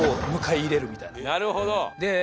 なるほど！